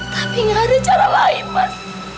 tapi gak ada cara lain mas